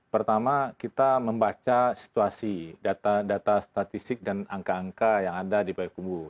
pertama kita membaca situasi data data statistik dan angka angka yang ada di payakumbu